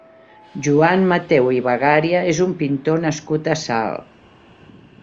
Joan Mateu i Bagaria és un pintor nascut a Salt.